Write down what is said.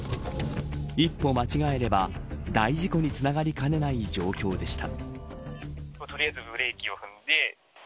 一歩間違えれば大事故につながりかねない状況でした。